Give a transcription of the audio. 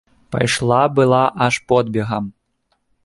Пайшла была аж подбегам.